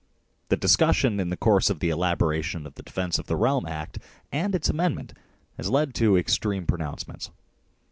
The discussion in the course of the elaboration of the Defence of the Realm Act and its amendment has led to extreme pronouncements.